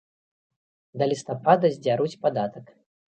Да лістапада здзяруць падатак.